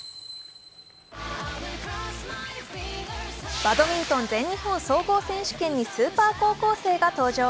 バドミントン全日本選手権にスーパー高校生が登場。